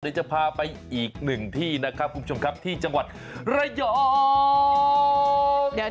เดี๋ยวจะพาไปอีกหนึ่งที่นะครับคุณผู้ชมครับที่จังหวัดระยอง